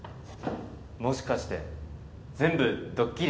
もしかして全部ドッキリ？